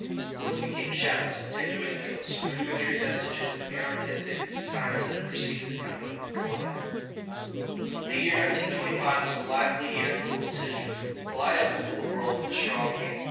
The courts became shadows, attenuated ghosts, rudimentary vestiges of the anarchistic times that had preceded the coming of Goliah. The year 1925 was a lively year in the world's history. Goliah ruled the world with a strong hand.